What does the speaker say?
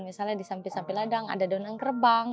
misalnya di samping samping ladang ada donang kerbang